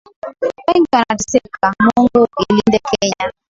Wengi wanateseka, Mungu ilinde Kenya.